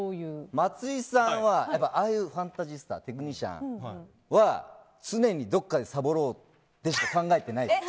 松井さんはファンタジスタテクニシャンは常にどこかで、さぼろうとしか考えてないですよ。